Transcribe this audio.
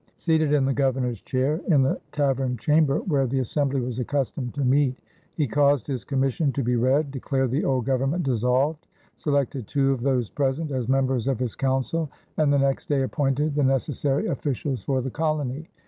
Seated in the Governor's chair in the tavern chamber where the assembly was accustomed to meet, he caused his commission to be read, declared the old Government dissolved, selected two of those present as members of his council, and the next day appointed the necessary officials for the colony.